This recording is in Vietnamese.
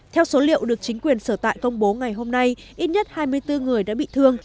theo số liệu được chính quyền sở tại công bố ngày hôm nay ít nhất hai mươi bốn người đã bị thương